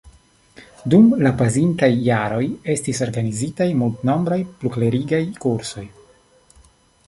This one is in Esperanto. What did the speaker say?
Dum la pasintaj jaroj estis organizitaj multnombraj pluklerigaj kursoj.